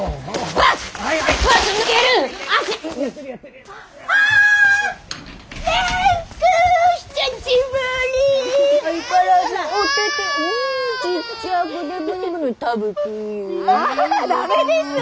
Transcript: ダメです。